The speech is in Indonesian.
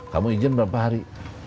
kamu ijin berapa hari